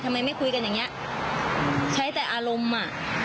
ไม่คุยกันอย่างเงี้ยใช้แต่อารมณ์อ่ะ